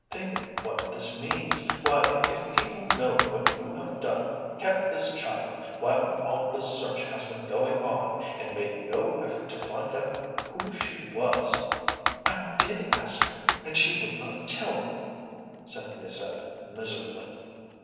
Think what this means. Why, if people know what you have done, kept this child, while all this search has been going on, and made no effort to find out who she was " "I did ask her, and she would not tell me," Cynthia said, miserably.